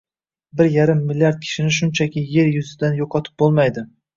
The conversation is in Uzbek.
Bir yarim milliard kishini shunchaki yer yuzidan yo‘qotib bo‘lmaydi